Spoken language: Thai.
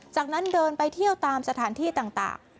จากนั้นเดินไปเที่ยวตามสถานที่ต่าง